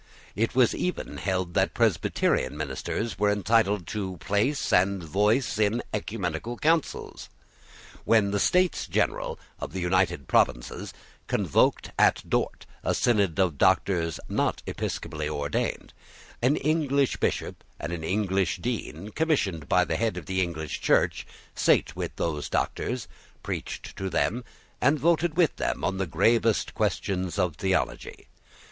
It was even held that Presbyterian ministers were entitled to place and voice in oecumenical councils. When the States General of the United Provinces convoked at Dort a synod of doctors not episcopally ordained, an English Bishop and an English Dean, commissioned by the head of the English Church, sate with those doctors, preached to them, and voted with them on the gravest questions of theology.